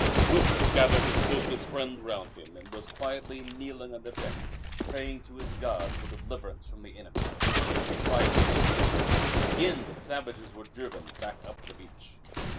Wilfrid had gathered his closest friends round him and was quietly kneeling on the deck praying to his God for deliverance from the enemy. The fight became desperate. Again the savages were driven back up the beach.